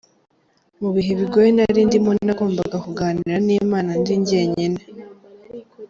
Mu bihe bigoye nari ndimo nagombaga kuganira n’Imana ndi njyenyine.